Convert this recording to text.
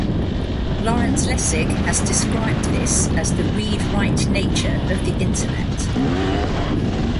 Lawrence Lessig has described this as the "read-write" nature of the Internet.